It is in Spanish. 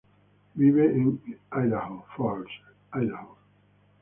Vive en Idaho Falls, Idaho.